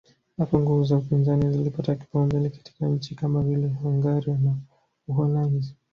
Hapo nguvu za upinzani zilipata kipaumbele katika nchi kama vile Hungaria na Uholanzi